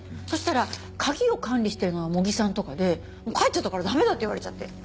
そしたら鍵を管理してるのは茂木さんとかでもう帰っちゃったから駄目だって言われちゃって。